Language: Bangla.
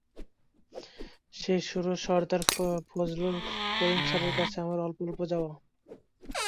সেই শুরু সরদার ফজলুল করিম স্যারের কাছে আমার অল্প অল্প যাওয়া।